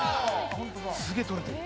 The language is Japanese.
すげえ取れてる。